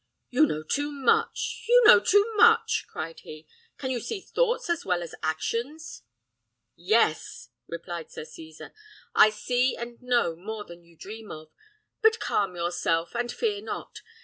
"You know too much! you know too much!" cried he. "Can you see thoughts as well as actions?" "Yes!" replied Sir Cesar: "I see and know more than you dream of, but calm yourself, and fear not.